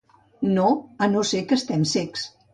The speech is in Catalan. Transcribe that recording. No a no ser que estem cecs.